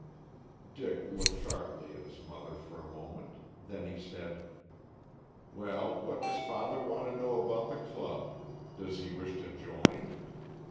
Dick looked sharply at his mother for a moment, then he said: "Well, what does father want to know about the club? Does he wish to join?"